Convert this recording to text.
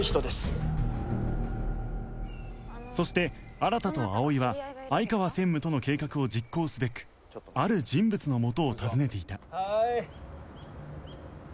そして新と葵は相川専務との計画を実行すべくある人物のもとを訪ねていた